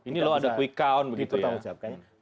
ini loh ada quick count begitu ya